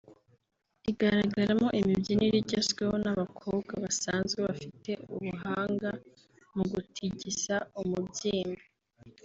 igaragaramo imibyinire igezweho n’abakobwa basanzwe bafite ubuhanga mu gutigisa umubyimba